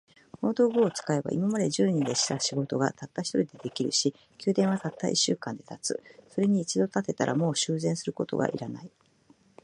この道具を使えば、今まで十人でした仕事が、たった一人で出来上るし、宮殿はたった一週間で建つ。それに一度建てたら、もう修繕することが要らない。